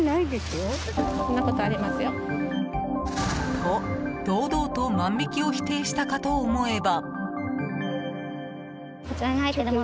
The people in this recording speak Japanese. と、堂々と万引きを否定したかと思えば。